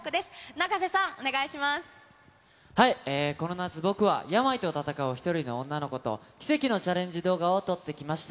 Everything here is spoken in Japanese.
永瀬さん、この夏、僕は病と闘う１人の女の子と奇跡のチャレンジ動画を撮ってきました。